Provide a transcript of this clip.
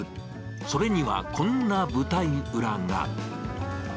それにはこんな舞台裏が。